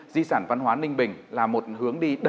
di sản văn hóa ninh bình